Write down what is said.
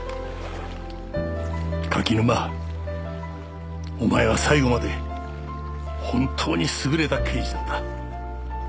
柿沼お前は最後まで本当に優れた刑事だった。